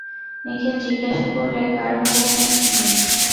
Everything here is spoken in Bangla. নিখিল জিজ্ঞাসা করলে, কার হুকুম নেই?